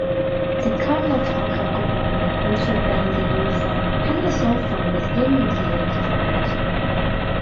The Karnataka government also banned the use of endosulfan with immediate effect.